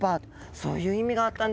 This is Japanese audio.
そういう意味があったんですね。